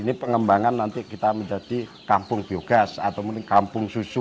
ini pengembangan nanti kita menjadi kampung biogas atau mungkin kampung susu